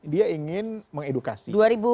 dia ingin mengedukasi